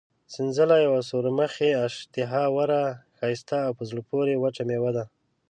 سنځله یوه سورمخې، اشتها اوره، ښایسته او په زړه پورې وچه مېوه ده.